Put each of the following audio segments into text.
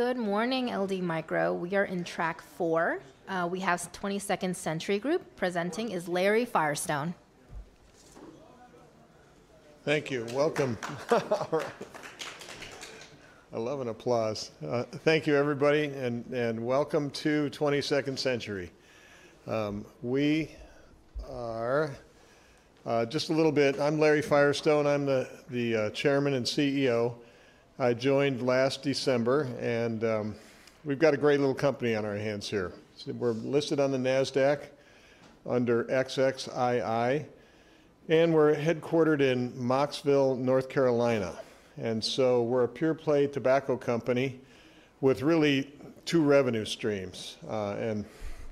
Good morning, LD Micro. We are in Track Four. We have 22nd Century Group. Presenting is Larry Firestone. Thank you. Welcome. All right. I love an applause. Thank you, everybody, and welcome to 22nd Century. We are just a little bit. I'm Larry Firestone. I'm the Chairman and CEO. I joined last December, and we've got a great little company on our hands here. We're listed on the NASDAQ under XXII, and we're headquartered in Mocksville, North Carolina. We're a pure-play tobacco company with really two revenue streams and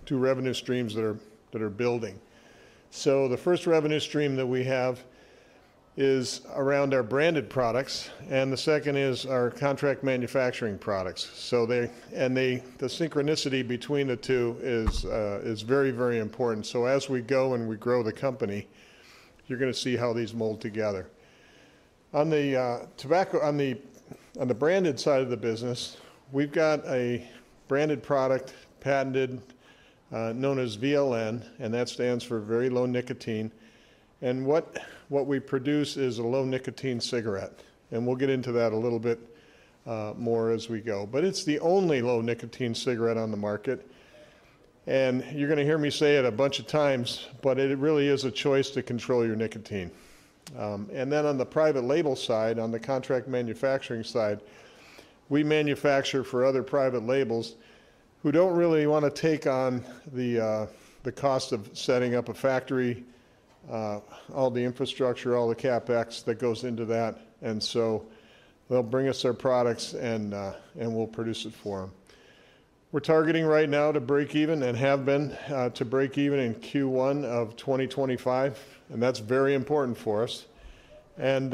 two revenue streams that are building. The first revenue stream that we have is around our branded products, and the second is our contract manufacturing products. The synchronicity between the two is very, very important. As we go and we grow the company, you're going to see how these mold together. On the branded side of the business, we've got a branded product patented known as VLN, and that stands for very low nicotine. And what we produce is a low nicotine cigarette. And we'll get into that a little bit more as we go. But it's the only low nicotine cigarette on the market. And you're going to hear me say it a bunch of times, but it really is a choice to control your nicotine. And then on the private label side, on the contract manufacturing side, we manufacture for other private labels who don't really want to take on the cost of setting up a factory, all the infrastructure, all the CapEx that goes into that. And so they'll bring us their products, and we'll produce it for them. We're targeting right now to break even and have been to break even in Q1 of 2025, and that's very important for us. And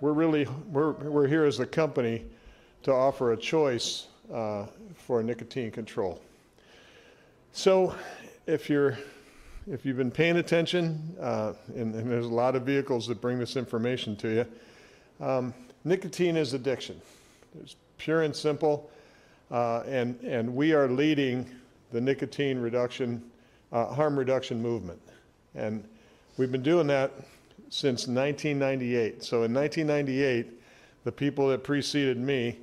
we're here as a company to offer a choice for nicotine control. So if you've been paying attention, and there's a lot of vehicles that bring this information to you, nicotine is addiction. It's pure and simple, and we are leading the nicotine harm reduction movement. And we've been doing that since 1998. So in 1998, the people that preceded me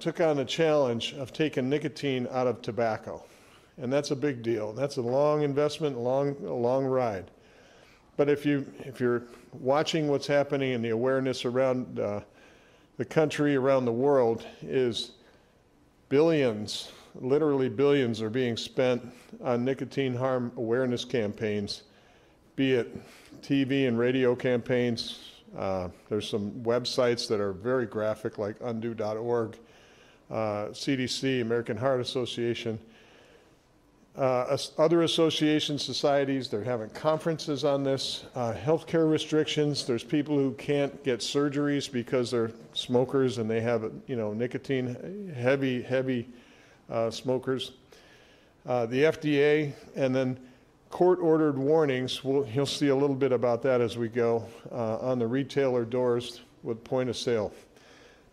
took on the challenge of taking nicotine out of tobacco. And that's a big deal. That's a long investment, a long ride. But if you're watching what's happening and the awareness around the country, around the world, is billions, literally billions, are being spent on nicotine harm awareness campaigns, be it TV and radio campaigns. There's some websites that are very graphic like undo.org, CDC, American Heart Association, other associations, societies that are having conferences on this, healthcare restrictions. There's people who can't get surgeries because they're smokers and they have nicotine, heavy, heavy smokers. The FDA and then court-ordered warnings. You'll see a little bit about that as we go on the retailer doors with point of sale.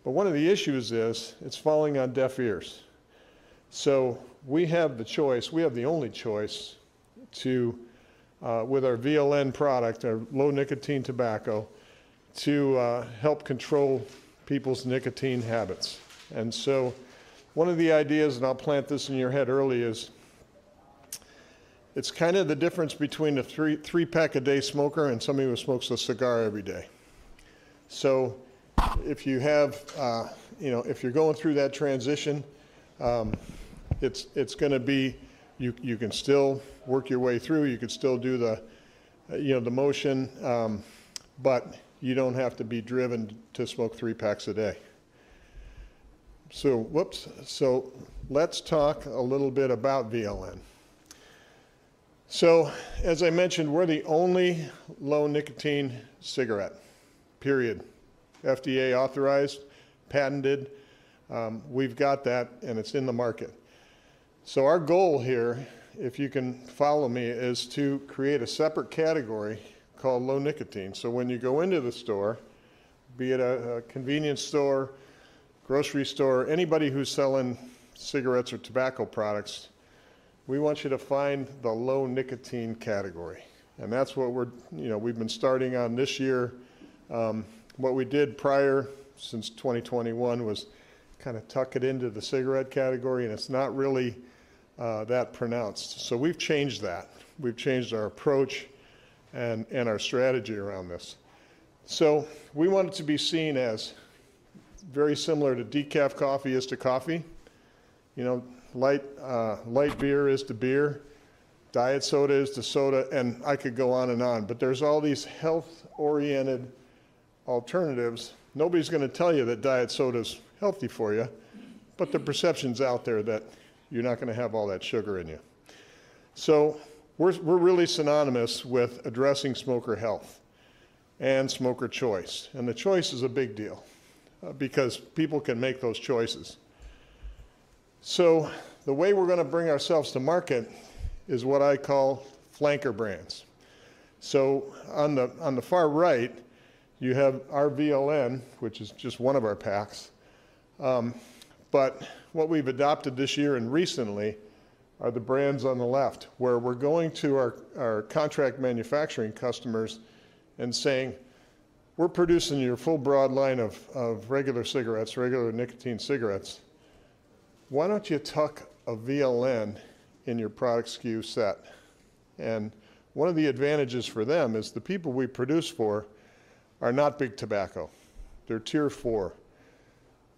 But one of the issues is it's falling on deaf ears, so we have the choice. We have the only choice with our VLN product, our low nicotine tobacco, to help control people's nicotine habits, and so one of the ideas, and I'll plant this in your head early, is it's kind of the difference between a three-pack-a-day smoker and somebody who smokes a cigar every day, so if you have—if you're going through that transition, it's going to be you can still work your way through. You can still do the motion, but you don't have to be driven to smoke three packs a day, so let's talk a little bit about VLN, so as I mentioned, we're the only low nicotine cigarette, period. FDA authorized, patented. We've got that, and it's in the market. So our goal here, if you can follow me, is to create a separate category called low nicotine. So when you go into the store, be it a convenience store, grocery store, anybody who's selling cigarettes or tobacco products, we want you to find the low nicotine category. And that's what we've been starting on this year. What we did prior since 2021 was kind of tuck it into the cigarette category, and it's not really that pronounced. So we've changed that. We've changed our approach and our strategy around this. So we want it to be seen as very similar to decaf coffee is to coffee. Light beer is to beer. Diet soda is to soda. And I could go on and on. But there's all these health-oriented alternatives. Nobody's going to tell you that diet soda is healthy for you, but the perception's out there that you're not going to have all that sugar in you, so we're really synonymous with addressing smoker health and smoker choice, and the choice is a big deal because people can make those choices, so the way we're going to bring ourselves to market is what I call flanker brands, so on the far right, you have our VLN, which is just one of our packs, but what we've adopted this year and recently are the brands on the left where we're going to our contract manufacturing customers and saying, "We're producing your full broad line of regular cigarettes, regular nicotine cigarettes. Why don't you tuck a VLN in your product SKU set?" and one of the advantages for them is the people we produce for are not big tobacco. They're Tier 4.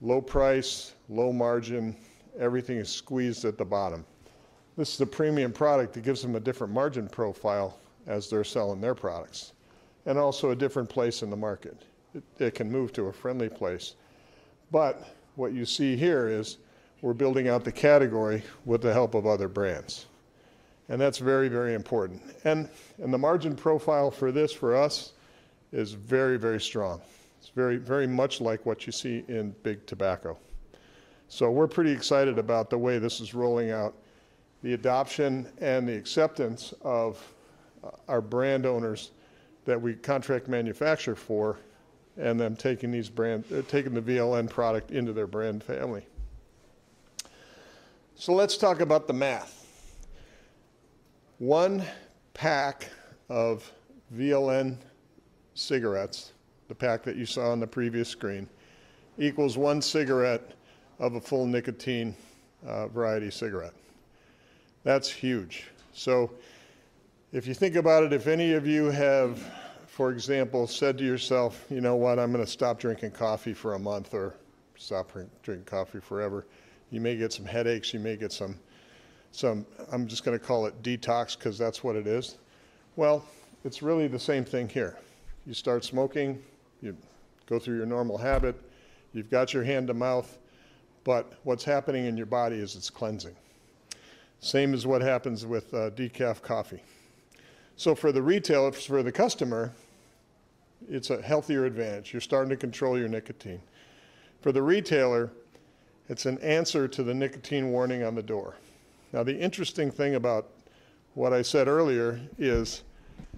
Low price, low margin. Everything is squeezed at the bottom. This is a premium product that gives them a different margin profile as they're selling their products and also a different place in the market. It can move to a friendly place. But what you see here is we're building out the category with the help of other brands. And that's very, very important. And the margin profile for this for us is very, very strong. It's very much like what you see in big tobacco. So we're pretty excited about the way this is rolling out, the adoption and the acceptance of our brand owners that we contract manufacture for and them taking the VLN product into their brand family. So let's talk about the math. One pack of VLN cigarettes, the pack that you saw on the previous screen, equals one cigarette of a full nicotine variety cigarette. That's huge. If you think about it, if any of you have, for example, said to yourself, "You know what? I'm going to stop drinking coffee for a month or stop drinking coffee forever." You may get some headaches. I'm just going to call it detox because that's what it is. It's really the same thing here. You start smoking. You go through your normal habit. You've got your hand to mouth. But what's happening in your body is it's cleansing. Same as what happens with decaf coffee. For the retailer, for the customer, it's a healthier advantage. You're starting to control your nicotine. For the retailer, it's an answer to the nicotine warning on the door. Now, the interesting thing about what I said earlier is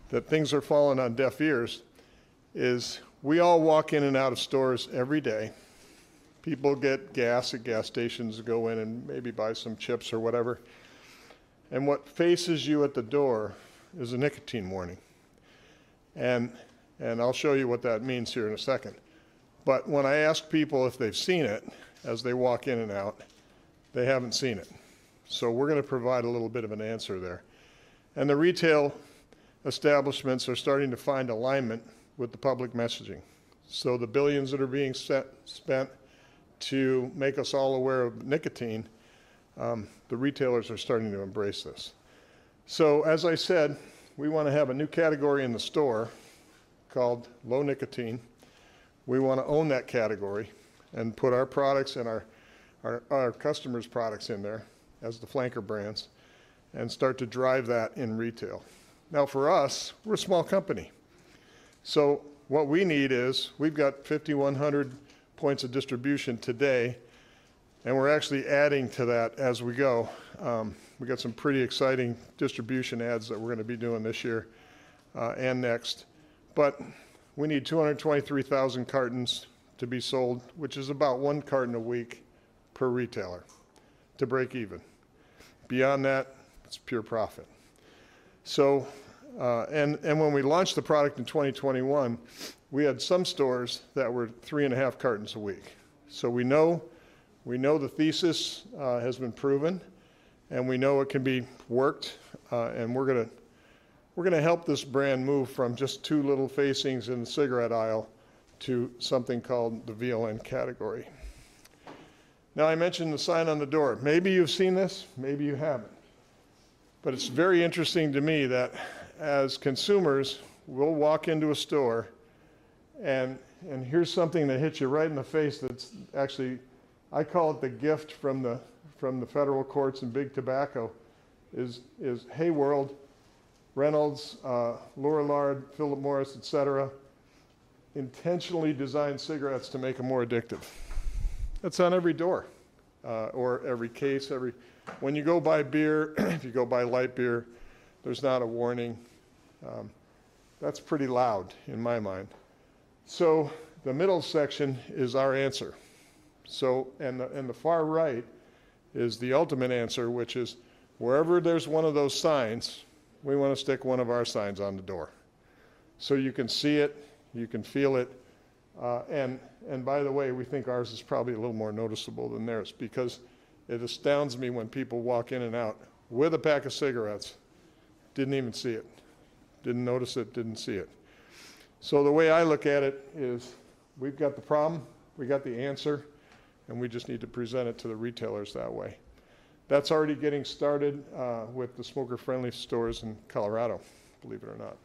that things are falling on deaf ears. We all walk in and out of stores every day. People get gas at gas stations and go in and maybe buy some chips or whatever, and what faces you at the door is a nicotine warning, and I'll show you what that means here in a second, but when I ask people if they've seen it as they walk in and out, they haven't seen it, so we're going to provide a little bit of an answer there, and the retail establishments are starting to find alignment with the public messaging, so the billions that are being spent to make us all aware of nicotine, the retailers are starting to embrace this, so as I said, we want to have a new category in the store called low nicotine. We want to own that category and put our products and our customers' products in there as the flanker brands and start to drive that in retail. Now, for us, we're a small company. So what we need is we've got 5,100 points of distribution today, and we're actually adding to that as we go. We've got some pretty exciting distribution adds that we're going to be doing this year and next. But we need 223,000 cartons to be sold, which is about one carton a week per retailer to break even. Beyond that, it's pure profit. And when we launched the product in 2021, we had some stores that were three and a half cartons a week. So we know the thesis has been proven, and we know it can be worked. And we're going to help this brand move from just two little facings in the cigarette aisle to something called the VLN category. Now, I mentioned the sign on the door. Maybe you've seen this. Maybe you haven't. But it's very interesting to me that as consumers, we'll walk into a store and hear something that hits you right in the face that's actually, I call it the gift from the federal courts and big tobacco, is, "Hey world, Reynolds, Lorillard, Philip Morris, etc., intentionally designed cigarettes to make them more addictive." That's on every door or every case. When you go buy beer, if you go buy light beer, there's not a warning. That's pretty loud in my mind. So the middle section is our answer. The far right is the ultimate answer, which is wherever there's one of those signs, we want to stick one of our signs on the door so you can see it, you can feel it. By the way, we think ours is probably a little more noticeable than theirs because it astounds me when people walk in and out with a pack of cigarettes, didn't even see it, didn't notice it, didn't see it. The way I look at it is we've got the problem, we got the answer, and we just need to present it to the retailers that way. That's already getting started with the Smoker Friendly stores in Colorado, believe it or not.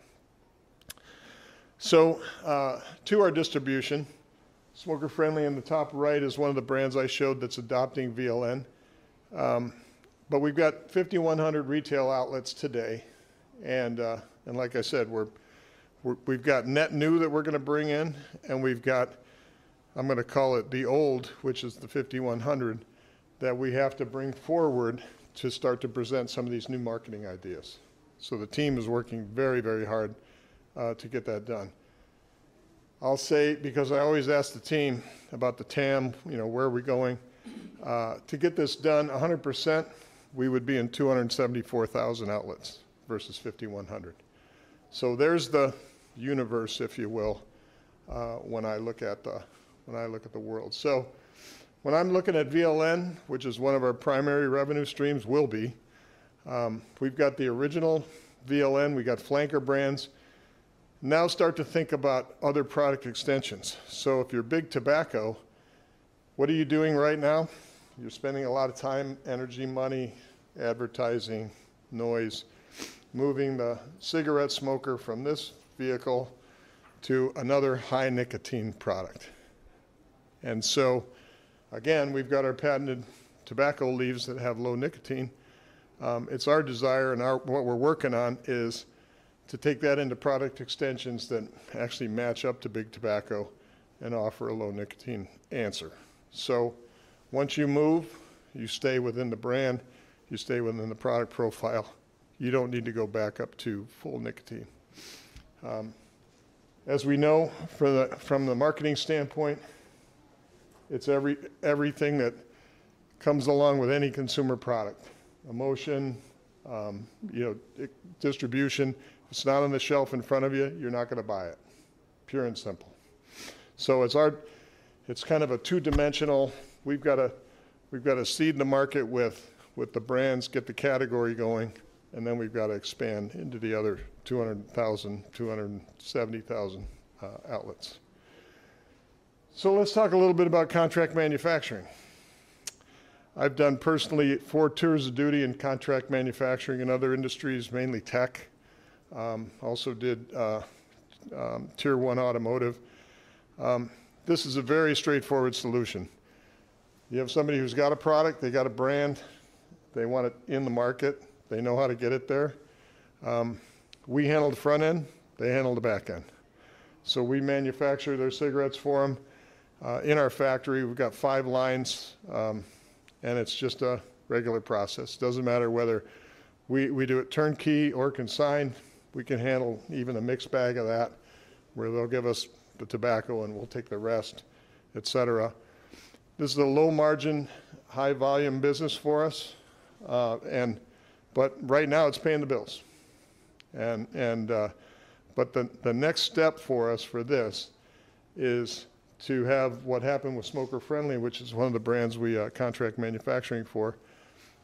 To our distribution, Smoker Friendly in the top right is one of the brands I showed that's adopting VLN. But we've got 5,100 retail outlets today. Like I said, we've got net new that we're going to bring in, and we've got, I'm going to call it the old, which is the 5,100 that we have to bring forward to start to present some of these new marketing ideas. The team is working very, very hard to get that done. I'll say, because I always ask the team about the TAM, where are we going? To get this done 100%, we would be in 274,000 outlets versus 5,100. There's the universe, if you will, when I look at the world. When I'm looking at VLN, which is one of our primary revenue streams, will be, we've got the original VLN. We've got flanker brands. Now start to think about other product extensions. If you're big tobacco, what are you doing right now? You're spending a lot of time, energy, money, advertising, noise, moving the cigarette smoker from this vehicle to another high nicotine product. And so again, we've got our patented tobacco leaves that have low nicotine. It's our desire, and what we're working on is to take that into product extensions that actually match up to big tobacco and offer a low nicotine answer. So once you move, you stay within the brand, you stay within the product profile. You don't need to go back up to full nicotine. As we know from the marketing standpoint, it's everything that comes along with any consumer product: emotion, distribution. If it's not on the shelf in front of you, you're not going to buy it. Pure and simple. So it's kind of a two-dimensional. We've got to seed the market with the brands, get the category going, and then we've got to expand into the other 200,000, 270,000 outlets. So let's talk a little bit about contract manufacturing. I've done personally four tours of duty in contract manufacturing in other industries, mainly tech. Also did Tier 1 automotive. This is a very straightforward solution. You have somebody who's got a product, they've got a brand, they want it in the market, they know how to get it there. We handle the front end, they handle the back end. So we manufacture their cigarettes for them in our factory. We've got five lines, and it's just a regular process. Doesn't matter whether we do it turnkey or consigned. We can handle even a mixed bag of that where they'll give us the tobacco and we'll take the rest, etc. This is a low-margin, high-volume business for us. But right now, it's paying the bills. But the next step for us for this is to have what happened with Smoker Friendly, which is one of the brands we contract manufacturing for,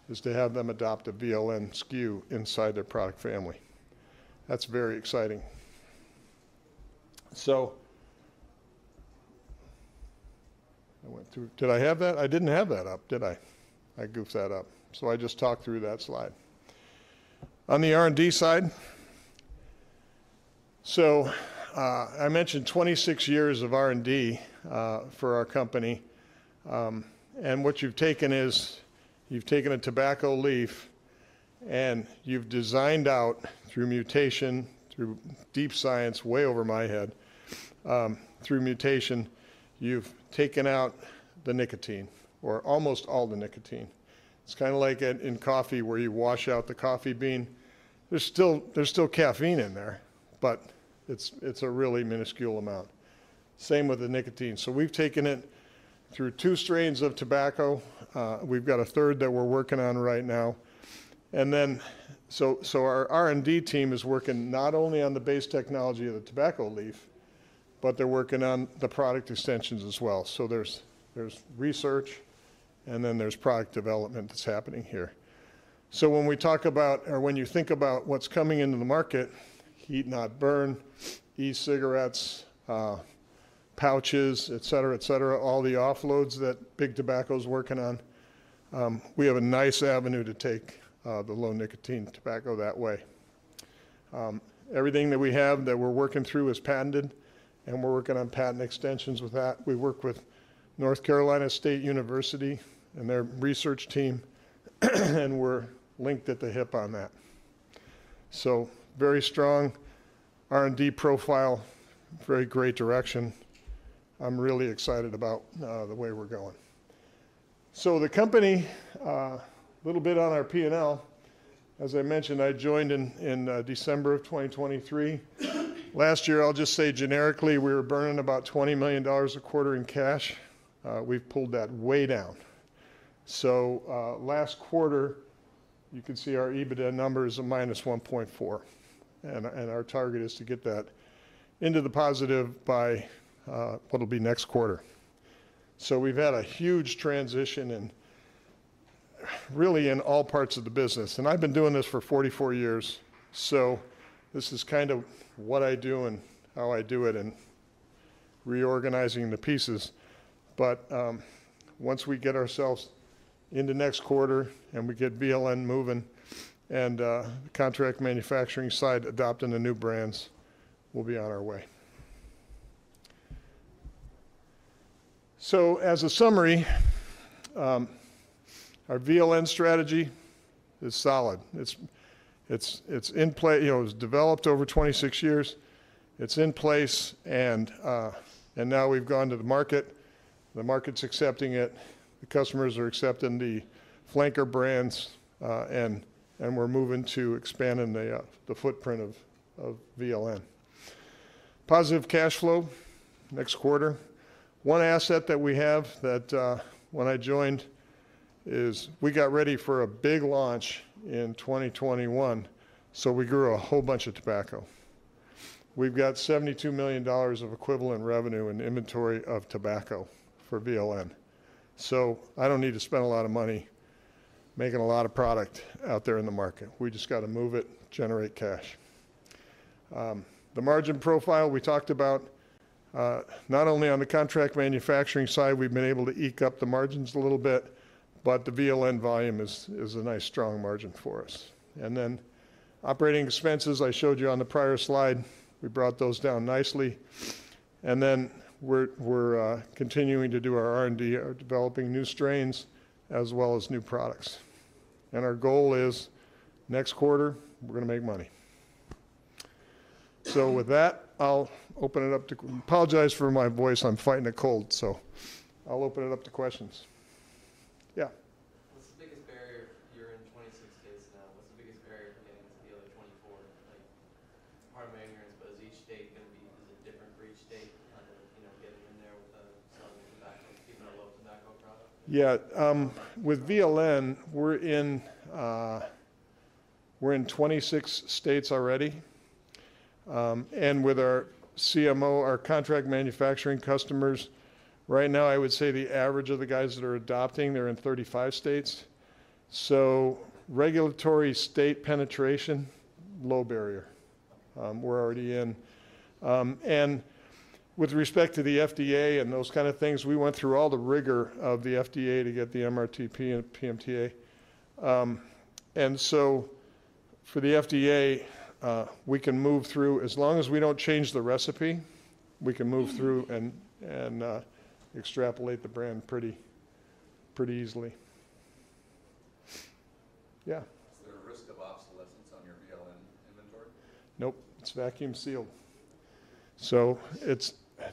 is to have them adopt a VLN SKU inside their product family. That's very exciting. So I went through. Did I have that? I didn't have that up, did I? I goofed that up. So I just talked through that slide. On the R&D side, so I mentioned 26 years of R&D for our company. And what you've taken is you've taken a tobacco leaf and you've designed out through mutation, through deep science, way over my head, through mutation, you've taken out the nicotine or almost all the nicotine. It's kind of like in coffee where you wash out the coffee bean. There's still caffeine in there, but it's a really minuscule amount. Same with the nicotine. So we've taken it through two strains of tobacco. We've got a third that we're working on right now. And then so our R&D team is working not only on the base technology of the tobacco leaf, but they're working on the product extensions as well. So there's research, and then there's product development that's happening here. So when we talk about or when you think about what's coming into the market, heat-not-burn, e-cigarettes, pouches, etc., etc., all the offloads that big tobacco's working on, we have a nice avenue to take the low nicotine tobacco that way. Everything that we have that we're working through is patented, and we're working on patent extensions with that. We work with North Carolina State University and their research team, and we're linked at the hip on that. So very strong R&D profile, very great direction. I'm really excited about the way we're going. So the company, a little bit on our P&L. As I mentioned, I joined in December of 2023. Last year, I'll just say generically, we were burning about $20 million a quarter in cash. We've pulled that way down. So last quarter, you can see our EBITDA number is a minus 1.4. And our target is to get that into the positive by what'll be next quarter. So we've had a huge transition really in all parts of the business. And I've been doing this for 44 years. So this is kind of what I do and how I do it and reorganizing the pieces. But once we get ourselves into next quarter and we get VLN moving and the contract manufacturing side adopting the new brands, we'll be on our way. So as a summary, our VLN strategy is solid. It's developed over 26 years. It's in place. And now we've gone to the market. The market's accepting it. The customers are accepting the flanker brands, and we're moving to expanding the footprint of VLN. Positive cash flow next quarter. One asset that we have that when I joined is we got ready for a big launch in 2021, so we grew a whole bunch of tobacco. We've got $72 million of equivalent revenue and inventory of tobacco for VLN. So I don't need to spend a lot of money making a lot of product out there in the market. We just got to move it, generate cash. The margin profile we talked about, not only on the contract manufacturing side, we've been able to eke up the margins a little bit, but the VLN volume is a nice strong margin for us. And then operating expenses, I showed you on the prior slide. We brought those down nicely. And then we're continuing to do our R&D, developing new strains as well as new products. And our goal is next quarter, we're going to make money. So with that, I'll open it up to apologize for my voice. I'm fighting a cold. So I'll open it up to questions. Yeah. What's the biggest barrier here in 26 states now? What's the biggest barrier for getting into the other 24? Pardon my ignorance, but is each state going to be—is it different for each state kind of getting in there with some tobacco, even a low tobacco product? Yeah. With VLN, we're in 26 states already. And with our CMO, our contract manufacturing customers, right now, I would say the average of the guys that are adopting, they're in 35 states. So regulatory state penetration, low barrier. We're already in. And with respect to the FDA and those kind of things, we went through all the rigor of the FDA to get the MRTP and PMTA. And so for the FDA, we can move through as long as we don't change the recipe, we can move through and extrapolate the brand pretty easily. Yeah. Is there a risk of obsolescence on your VLN inventory? Nope. It's vacuum sealed. So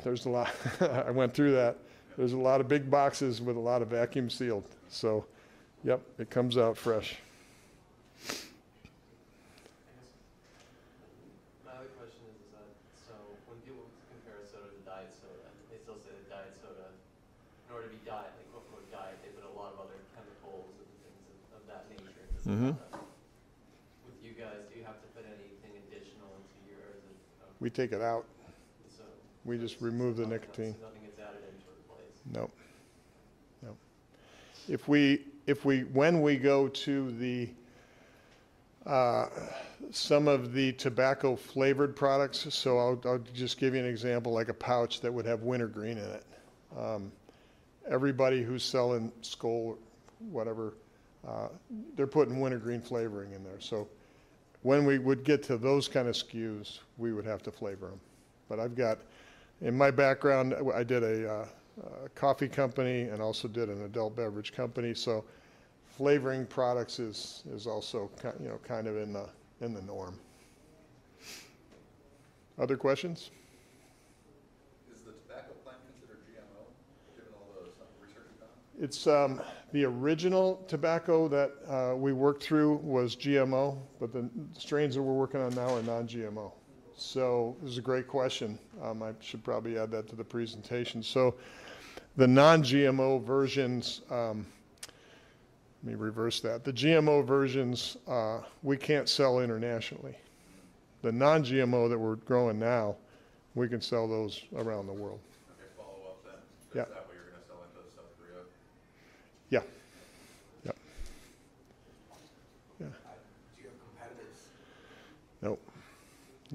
there's a lot. I went through that. There's a lot of big boxes with a lot of vacuum sealed. So yep, it comes out fresh. My other question is, so when people compare soda to diet soda, they still say the diet soda, in order to be diet, they put a lot of other chemicals and things of that nature into the soda. With you guys, do you have to put anything additional into yours? We take it out. We just remove the nicotine. Nothing gets added in to replace. Nope. Nope. When we go to some of the tobacco-flavored products, so I'll just give you an example, like a pouch that would have wintergreen in it. Everybody who's selling Skoal, whatever, they're putting wintergreen flavoring in there. So when we would get to those kind of SKUs, we would have to flavor them. But in my background, I did a coffee company and also did an adult beverage company. So flavoring products is also kind of in the norm. Other questions? Is the tobacco plant considered GMO given all the research we've done? The original tobacco that we worked through was GMO, but the strains that we're working on now are non-GMO. So this is a great question. I should probably add that to the presentation. So the non-GMO versions, let me reverse that. The GMO versions, we can't sell internationally. The non-GMO that we're growing now, we can sell those around the world.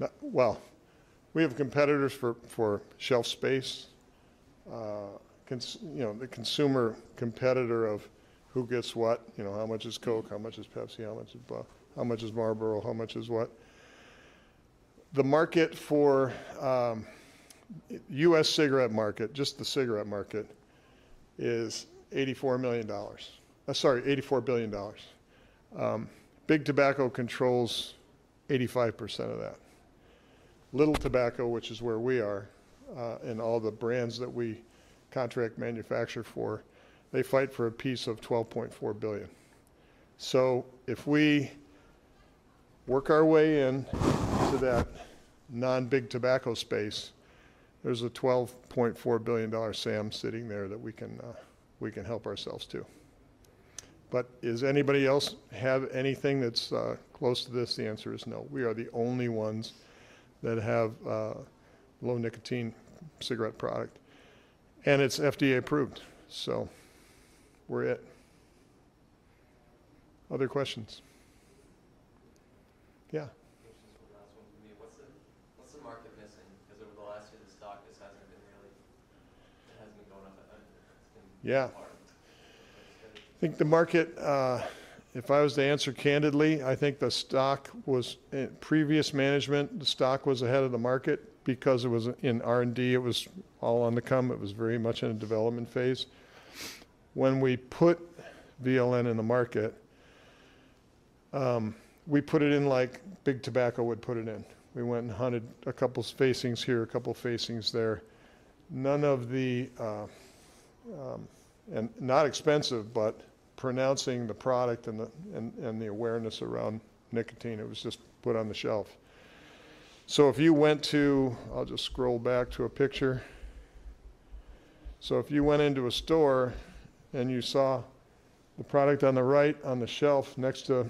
Okay. Follow up then. Is that what you're going to sell into South Korea? Yeah. Yeah. Do you have competitors? Nope. Well, we have competitors for shelf space. The consumer competitor of who gets what, how much is Coke, how much is Pepsi, how much is Marlboro, how much is what. The market for U.S. cigarette market, just the cigarette market, is $84 million. Sorry, $84 billion. Big tobacco controls 85% of that. Little tobacco, which is where we are and all the brands that we contract manufacture for, they fight for a piece of $12.4 billion. So if we work our way into that non-big tobacco space, there's a $12.4 billion SAM sitting there that we can help ourselves to. But does anybody else have anything that's close to this? The answer is no. We are the only ones that have low nicotine cigarette product. And it's FDA approved. So we're it. Other questions? Yeah. Question for the last one from me. What's the market missing? Because over the last year, the stock just hasn't been really, it hasn't been going up. It's been hard. I think the market, if I was to answer candidly, I think the stock was, in previous management, the stock was ahead of the market because it was in R&D. It was all on the come. It was very much in a development phase. When we put VLN in the market, we put it in like big tobacco would put it in. We went and hunted a couple of facings here, a couple of facings there. None of the and not expensive, but promoting the product and the awareness around nicotine, it was just put on the shelf, so if you went to, I'll just scroll back to a picture, so if you went into a store and you saw the product on the right on the shelf next to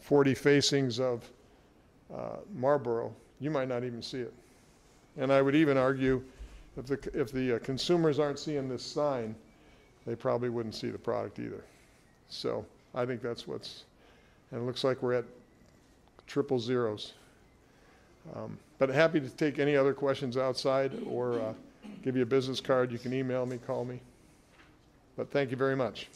40 facings of Marlboro, you might not even see it, and I would even argue if the consumers aren't seeing this sign, they probably wouldn't see the product either, so I think that's what's and it looks like we're at triple zeros, but happy to take any other questions outside or give you a business card. You can email me, call me, but thank you very much.